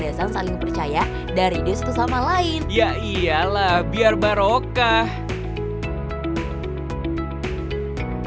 kalau aliran harta kita yang diniagakan harus apapun